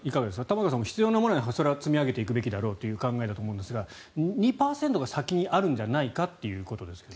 玉川さんも必要なものならそれは積み上げていくべきだろうということですが２％が先にあるんじゃないかっていうことですが。